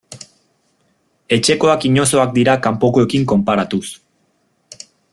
Etxekoak inozoak dira kanpokoekin konparatuz.